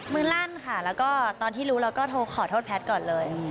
ลั่นค่ะแล้วก็ตอนที่รู้เราก็โทรขอโทษแพทย์ก่อนเลย